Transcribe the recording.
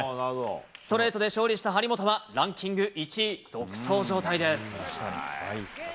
ストレートで勝利した張本は、ランキング１位独走状態です。